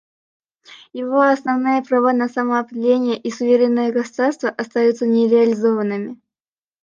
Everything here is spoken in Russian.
Его основные права на самоопределение и суверенное государство остаются нереализованными.